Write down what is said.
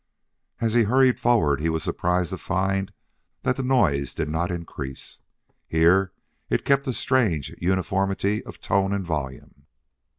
As he hurried forward he was surprised to find that the noise did not increase. Here it kept a strange uniformity of tone and volume.